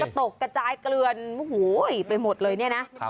ตกกระจายเกลือนโอ้โหไปหมดเลยเนี่ยนะ